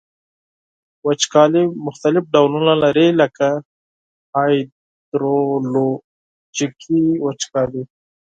وچکالي مختلف ډولونه لري لکه هایدرولوژیکي وچکالي.